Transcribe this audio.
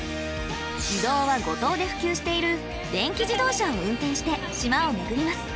移動は五島で普及している電気自動車を運転して島を巡ります。